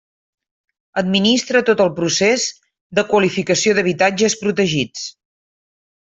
Administra tot el procés de qualificació d'habitatges protegits.